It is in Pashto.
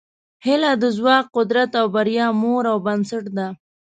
هیله د ځواک، قدرت او بریا مور او بنسټ ده.